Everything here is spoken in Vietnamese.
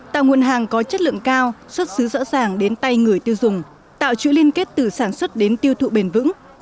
tạo nguồn hàng có chất lượng cao xuất xứ rõ ràng đến tay người tiêu dùng tạo chuỗi liên kết từ sản xuất đến tiêu thụ bền vững